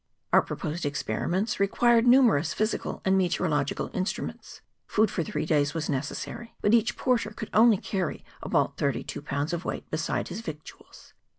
Our proposed experiments required numerous physical and meteorological instruments; food for three days was necessary; but each porter could only carry about 32 lbs. weight beside his victuals.